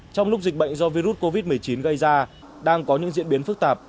trong lúc dịch bệnh do virus covid một mươi chín gây ra đang có những diễn biến phức tạp